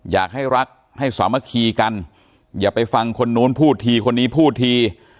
อยากให้รักให้สามัคคีกันอย่าไปฟังคนนู้นพูดทีคนนี้พูดที